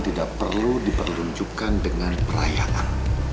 tidak perlu diperlunjukkan dengan perayaan